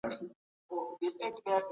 يو زده کوونکی په پښتو ژبي تمرين کوي.